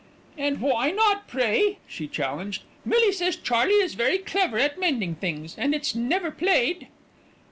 "And why not, pray?" she challenged. "Millie says Charley is very clever at mending things, and it's never played."